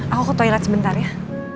aku ke toilet sebentar ya